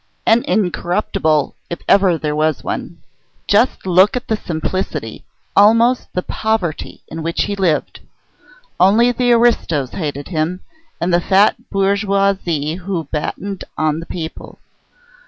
An Incorruptible, if ever there was one. Just look at the simplicity, almost the poverty, in which he lived! Only the aristos hated him, and the fat bourgeois who battened on the people.